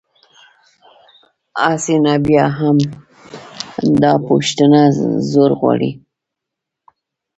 هسې، نه بیا هم، دا پوښتنه زور غواړي.